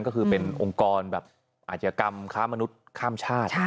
ก็คือเป็นองค์กรแบบอาชญากรรมค้ามนุษย์ข้ามชาติ